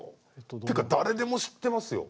てか誰でも知ってますよ！